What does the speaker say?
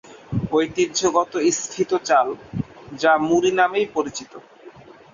ঐতিহ্যগত স্ফীত চাল যা "মুড়ি" নামেই পরিচিত।